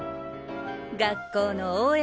学校の応援